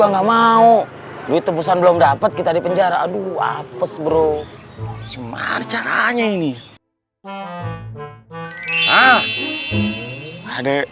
nggak mau duit tebusan belum dapet kita di penjara aduh apes bro caranya ini ada